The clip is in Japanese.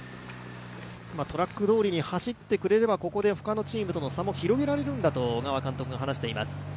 トラックどおりに走ってくれれば、ここで他のチームとの差も広げられるんだと、小川監督、話しています。